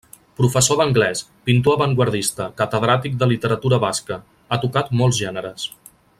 Professor d'anglès, pintor avantguardista, catedràtic de literatura basca, ha tocat molts gèneres.